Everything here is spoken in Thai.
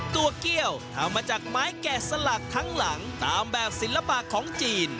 เกี้ยวทำมาจากไม้แกะสลักทั้งหลังตามแบบศิลปะของจีน